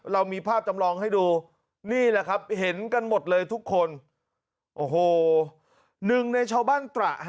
เรามีภาพจำลองให้ดูนี่แหละครับเห็นกันหมดเลยทุกคนโอ้โหหนึ่งในชาวบ้านตระฮะ